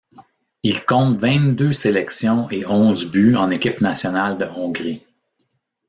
Il compte vingt-deux sélections et onze buts en équipe nationale de Hongrie.